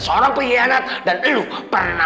seorang pengkhianat dan lu pernah